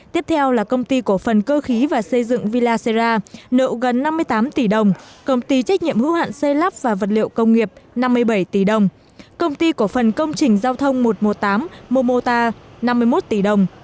tiếp theo là công ty cổ phần cơ khí và xây dựng villacera nợ gần năm mươi tám tỷ đồng công ty trách nhiệm hữu hạn xây lắp và vật liệu công nghiệp năm mươi bảy tỷ đồng công ty cổ phần công trình giao thông một trăm một mươi tám momota năm mươi một tỷ đồng